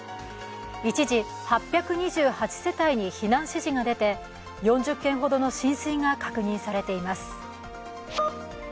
一時８２８世帯に避難指示が出て、４０軒ほどの浸水が確認されています。